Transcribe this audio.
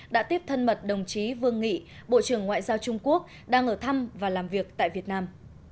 đã tiếp thân mật đồng chí vương nghị bộ trưởng ngoại giao trung quốc đang ở thăm và làm việc tại việt nam